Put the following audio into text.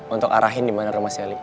untuk arahin dimana rumah sally